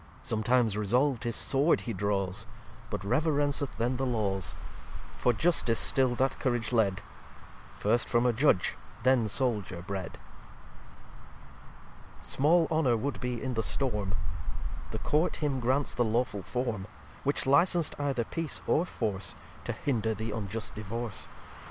Sometimes resolv'd his Sword he draws, But reverenceth then the Laws: For Justice still that Courage led; First from a Judge, then Souldier bred. xxx Small Honour would be in the Storm. The Court him grants the lawful Form; Which licens'd either Peace or Force, To hinder the unjust Divorce.